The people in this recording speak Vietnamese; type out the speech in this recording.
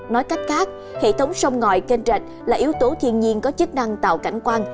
nói cách khác hệ thống sông ngòi kênh rạch là yếu tố thiên nhiên có chức năng tạo cảnh quan